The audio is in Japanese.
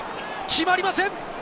決まりません。